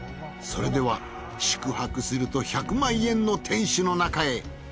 それでは宿泊すると１００万円の天守の中へ。